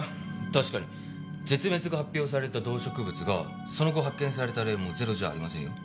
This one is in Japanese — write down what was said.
確かに絶滅が発表された動植物がその後発見された例もゼロじゃありませんよ。